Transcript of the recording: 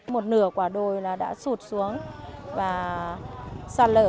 một nửa quả đồi là đã sụt xuống và sạt lở